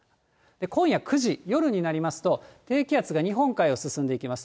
今夜９時、夜になりますと、低気圧が日本海を進んできます。